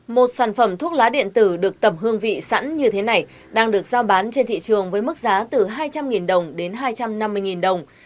một sản phẩm thuốc lá điện tử được tầm hương vị sẵn như thế này đang được giao bán trên thị trường với mức giá từ hai trăm linh đồng đến hai trăm năm mươi đồng